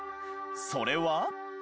それは。